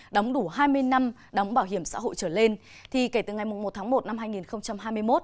đóng đủ hai mươi năm đóng bảo hiểm xã hội trở lên thì kể từ ngày một tháng một năm hai nghìn hai mươi một